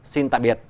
xin tạm biệt